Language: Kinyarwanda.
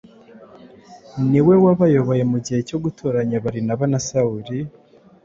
niwe wabayoboye mu gihe cyo gutoranya Barinaba na Sawuli